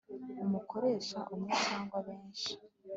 umukoresha umwe cyangwa benshi